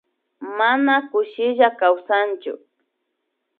Mana kushilla kawsanllu